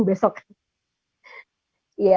selamat hari ibu besok